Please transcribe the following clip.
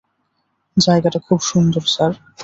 জায়গাটা খুব সুন্দর, স্যার।